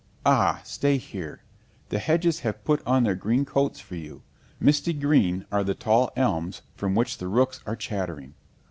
Ah, stay here! The hedges have put on their green coats for you; misty green are the tall elms from which the rooks are chattering.